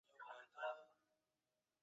利什派森陶多尔扬。